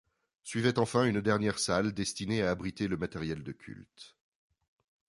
Suivait enfin une dernière salle destinée à abriter le matériel de culte.